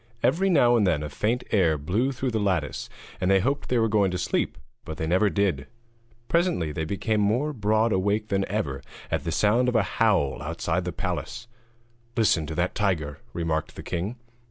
Every now and then a faint air blew through the lattice, and they hoped they were going to sleep, but they never did. Presently they became more broad awake than ever at the sound of a howl outside the palace. 'Listen to that tiger!' remarked the king.